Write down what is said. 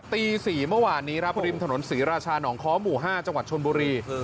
ตี๔เมื่อวานนี้ครับริมถนนศรีราชาหนองค้อหมู่๕จังหวัดชนบุรี